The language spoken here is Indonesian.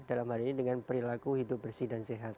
dalam hal ini dengan perilaku hidup bersih dan sehat